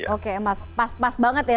oke emas pas banget ya